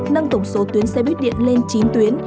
nâng tổng số tuyến xe buýt điện lên chín tuyến